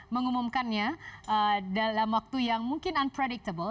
mengumumkannya dalam waktu yang mungkin unpredictable